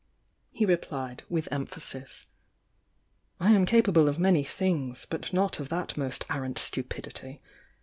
he replied with emphasis. "I am capable of many things, but not of that most arrant stupidity!